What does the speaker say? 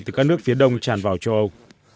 từ các nước phía đông tràn vào châu âu